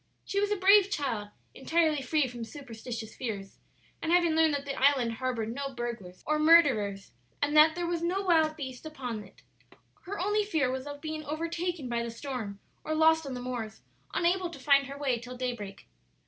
She was a brave child, entirely free from superstitious fears, and having learned that the island harbored no burglars or murderers, and that there was no wild beast upon it, her only fear was of being overtaken by the storm or lost on the moors, unable to find her way till day break.